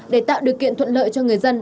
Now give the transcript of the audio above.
để tạo điều kiện thuận lợi cho người dân